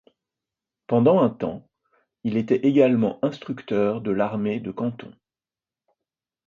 Pendant un temps il était également instructeur de l’armée de Canton.